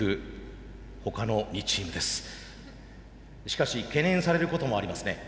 しかし懸念されることもありますね。